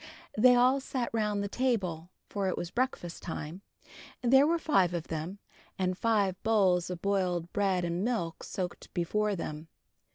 They all sat round the table, for it was breakfast time. There were five of them, and five bowls of boiled bread and milk smoked before them.